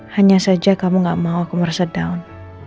hanya saja kamu gak mau aku merasa down